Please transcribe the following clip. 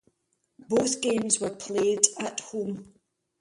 Both games were played at home.